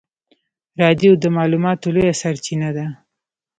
رادیو د معلوماتو لویه سرچینه ده.